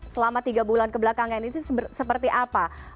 selama tiga bulan kebelakangan ini seperti apa